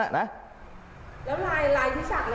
แล้วลายที่สักนี้ค่ะเรียกว่าลายอะไร